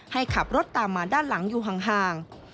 ให้ขับรถตามมาด้านหลังอยู่ห่าง